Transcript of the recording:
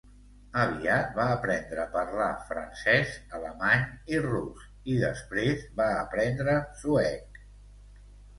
Aviat va aprendre a parlar francès, alemany i rus i després va aprendre suec.